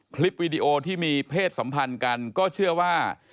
วีดีโอที่มีเพศสัมพันธ์กันก็เชื่อว่า